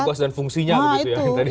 tugas dan fungsinya begitu ya yang tadi